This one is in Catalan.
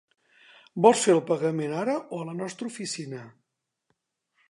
Vol fer el pagament ara o a la nostra oficina?